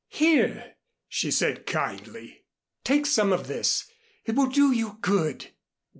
"Here," she said kindly, "take some of this, it will do you good."